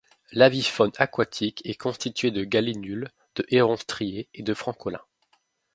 L'avifaune aquatique est constituée de gallinules, de hérons striés et de francolins.